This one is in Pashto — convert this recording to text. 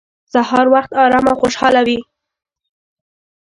سهار وخت ارام او خوشحاله وي.